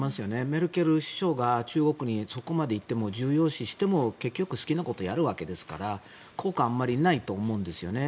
メルケル首相が中国に、そこまで行っても重要視しても結局、好きなことをやるわけですから効果はあまりないと思うんですね。